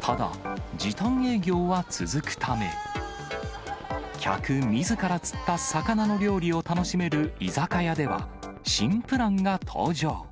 ただ、時短営業は続くため、客みずから釣った魚の料理を楽しめる居酒屋では、新プランが登場。